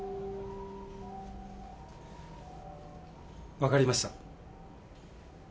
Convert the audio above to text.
わかりました。